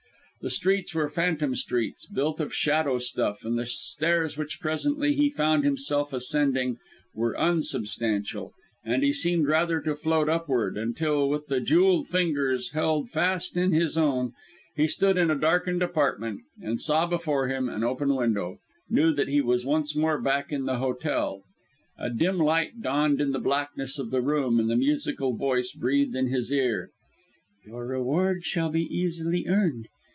The streets were phantom streets, built of shadow stuff, and the stairs which presently he found himself ascending, were unsubstantial, and he seemed rather to float upward; until, with the jewelled fingers held fast in his own, he stood in a darkened apartment, and saw before him an open window, knew that he was once more back in the hotel. A dim light dawned in the blackness of the room and the musical voice breathed in his ear: "Your reward shall be easily earned.